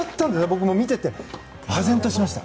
僕も見てて唖然としました。